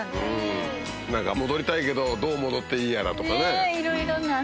戻りたいけどどう戻っていいやらとかね。